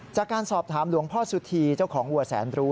จากการสอบถามหลวงพ่อสุธีเจ้าของวัวแสนรู้